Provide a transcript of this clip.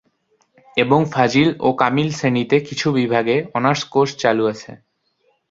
এবং ফাজিল ও কামিল শ্রেণীতে কিছু বিভাগে অনার্স কোর্স চালু আছে।